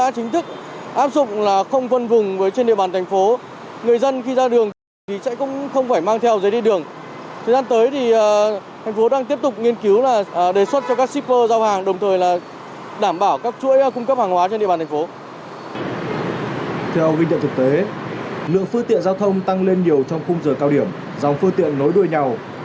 công an nhân dân không lên nhiều trong khung giờ cao điểm dòng phương tiện nối đuôi nhau